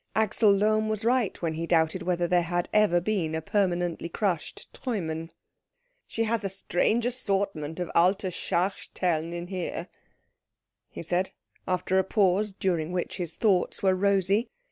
Axel Lohm was right when he doubted whether there had ever been a permanently crushed Treumann. "She has a strange assortment of alte Schachteln here," he said, after a pause during which his thoughts were rosy.